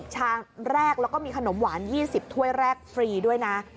ชามแรกแล้วก็มีขนมหวาน๒๐ถ้วยแรกฟรีด้วยนะ